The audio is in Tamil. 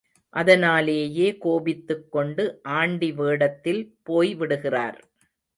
அதனாலேயே கோபித்துக் கொண்டு ஆண்டி வேடத்தில் போய் விடுகிறார்.